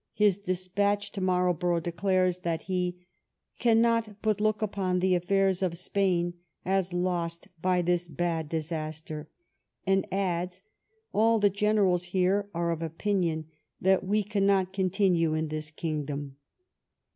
His despatch to Marlborough declares that he cannot but look upon the affairs of Spain as lost by this bad disaster," and adds, " all the generals here are of opinion that we cannot continue in this kingdom."